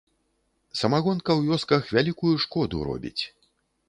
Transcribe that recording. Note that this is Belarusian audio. Самагонка ў вёсках вялікую шкоду робіць.